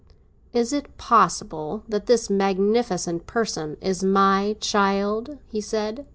"Is it possible that this magnificent person is my child?" he said.